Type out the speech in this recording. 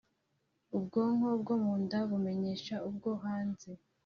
ubwonko bwo mu nda bumenyesha ubwo hanze